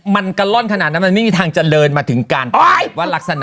มันกะล่อนขนาดนั้นมันไม่มีทางเจริญมาถึงการว่ารักษณะ